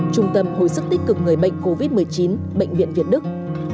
trung tâm hồi sức tích cực người bệnh covid một mươi chín bệnh viện việt đức